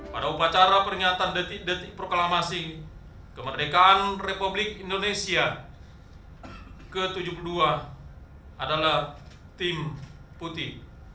pada upacara peringatan detik detik proklamasi kemerdekaan republik indonesia ke tujuh puluh dua adalah tim putih